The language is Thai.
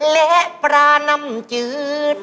และปลาน้ำจืด